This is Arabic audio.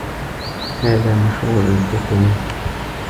هذا مشروع حكومي.